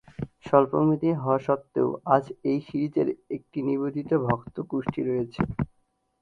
স্বল্পমেয়াদী হওয়া সত্ত্বেও, আজ এই সিরিজের একটি নিবেদিত ভক্ত গোষ্ঠী রয়েছে।